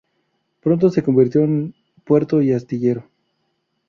Pronto se convirtió en puerto y astillero.